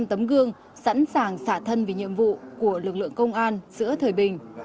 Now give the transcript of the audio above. hàng trăm tấm gương sẵn sàng xả thân vì nhiệm vụ của lực lượng công an giữa thời bình